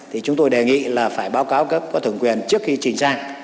thì chúng tôi đề nghị là phải báo cáo cấp có thẩm quyền trước khi trình ra